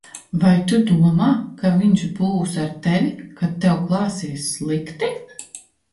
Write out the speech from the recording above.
Vai tu domā, ka viņa būs ar tevi, kad tev klāsies slikti?